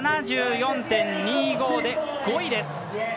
７４．２５で５位です。